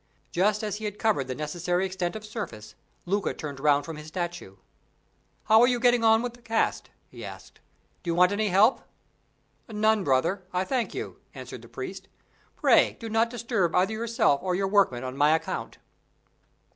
Just as he had covered the necessary extent of surface, Luca turned round from his statue. "How are you getting on with the cast?" he asked. "Do you want any help?" "None, brother, I thank you," answered the priest. "Pray do not disturb either yourself or your workmen on my account."